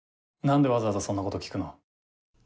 何でわざわざそんなこと聞くの？